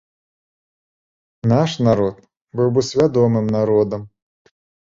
Наш народ быў бы свядомым народам.